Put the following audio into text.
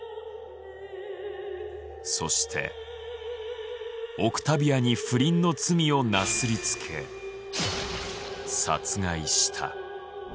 そしてオクタビアに不倫の罪をなすりつけ殺害した。